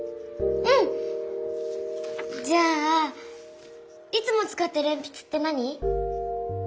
うん！じゃあいつもつかってるえんぴつって何？